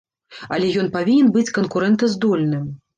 Але ён павінен быць канкурэнтаздольным.